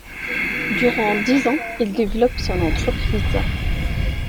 Durant dix ans, il développe son entreprise.